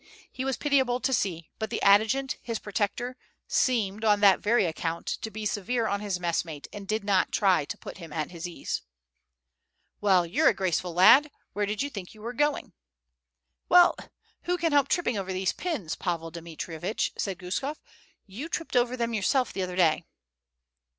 He was pitiable to see; but the adjutant, his protector, seemed, on that very account, to be severe on his messmate, and did not try to put him at his ease. "Well, you're a graceful lad! Where did you think you were going?" "Well, who can help tripping over these pins, Pavel Dmitrievitch?" said Guskof. "You tripped over them yourself the other day."